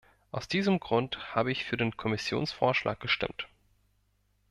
Aus diesem Grund habe ich für den Kommissionsvorschlag gestimmt.